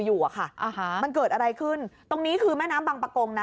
อยู่อ่ะค่ะอ่าฮะมันเกิดอะไรขึ้นตรงนี้คือแม่น้ำบังปะกงนะ